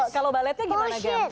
kalo balletnya gimana gem